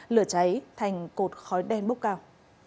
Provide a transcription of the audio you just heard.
lửa cháy thành cột khói đen bốc cao